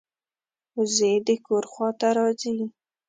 وزې د کور خوا ته راځي